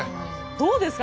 どうですか？